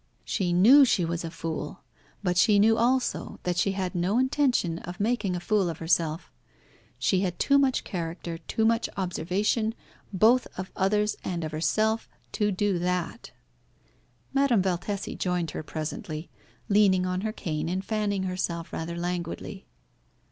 She knew she was a fool, but she knew also that she had no intention of making a fool of herself. She had too much character, too much observation, both of others and of herself, to do that. Madame Valtesi joined her presently, leaning on her cane and fanning herself rather languidly.